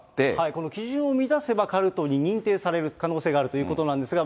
この基準を満たせばカルトに認定される可能性があるということなんですが。